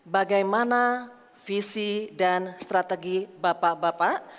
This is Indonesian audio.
bagaimana visi dan strategi bapak bapak